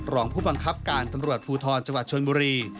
รองผู้บังคับการตำรวจภูทรจังหวัดชนบุรี